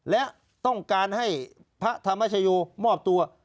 และต้องการให้พระธรรมชโยมอบตัว